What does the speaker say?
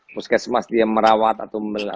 puskesmas dia merawat atau